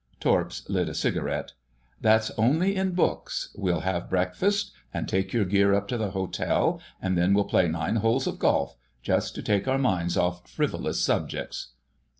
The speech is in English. Torps lit a cigarette. "That's only in books. We'll have breakfast, and take your gear up to the hotel, and then we'll play nine holes of golf—just to take our minds off frivolous subjects."